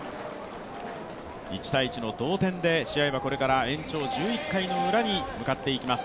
１−１の同点で、これから試合は１１回ウラに向かっていきます。